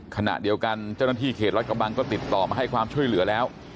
ขณะเดียวกันเจ้าหน้าที่เขตรัฐกระบังก็ติดต่อมาให้ความช่วยเหลือแล้ว